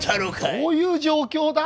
どういう状況だ！？